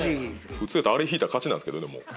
普通やとあれ引いたら勝ちなんですけどねもう。